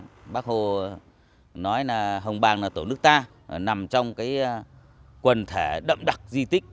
của họ hồng bàng bác hồ nói là hồng bàng là tổ nước ta nằm trong quần thể đậm đặc di tích